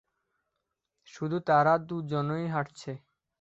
শুধু তারা দুই জন হাঁটছে।